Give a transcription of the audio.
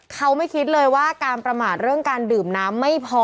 เขาไม่คิดเลยว่าการประมาทเรื่องการดื่มน้ำไม่พอ